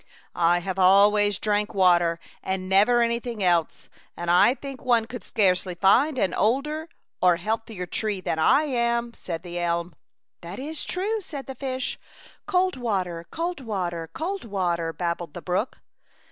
*' I have always drank water, and never anything else, and I think one could scarcely find an older or a healthier tree than I am,'* said the elm. "That is true," said the fish. " Cold water, cold water, cold water," babbled the brook.